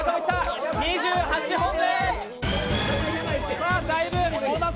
２８本目。